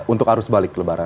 untuk arus balik kelebaran